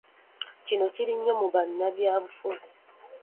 Kino kiri nnyo mu bannabyabufuzi.